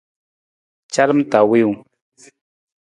Calam ta wiiwung.